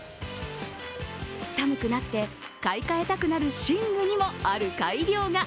寒くなって、買い換えたくなる寝具にもある改良が。